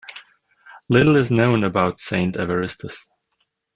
Little is known about Saint Evaristus.